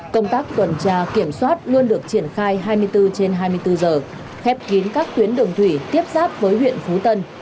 công tác tuần tra kiểm soát luôn được triển khai hai mươi bốn trên hai mươi bốn giờ khép kín các tuyến đường thủy tiếp giáp với huyện phú tân